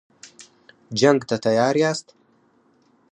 جنګ ته تیار یاست.